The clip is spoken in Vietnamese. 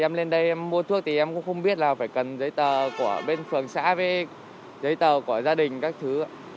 em lên đây mua thuốc thì em cũng không biết là phải cần giấy tờ của bên phường xã với giấy tờ của gia đình các thứ